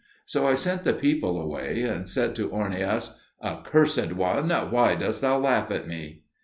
So I sent the people away, and said to Ornias, "Accursed one, why dost thou laugh at me?"